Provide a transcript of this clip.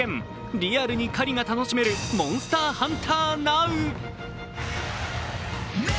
リアルに狩りが楽しめる「モンスターハンターＮｏｗ」。